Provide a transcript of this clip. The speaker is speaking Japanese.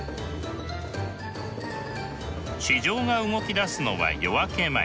市場が動き出すのは夜明け前。